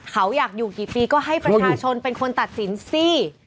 เขาอยากอยู่กี่ปีก็ให้ประชาชนเป็นคนตัดสินสิ